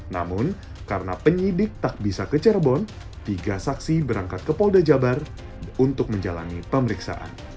namun karena penyidik tak bisa ke cirebon tiga saksi berangkat ke polda jabar untuk menjalani pemeriksaan